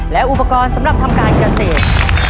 และอุปกรณ์สำหรับทำการเกษตร